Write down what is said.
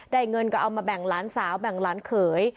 ได้เงินคือเอามาแบ่งล้านสาวแบ่งล้านเขย